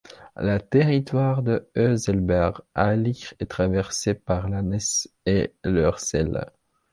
Le territoire de Hörselberg-Hainich est traversé par la Nesse et l'Hörsel.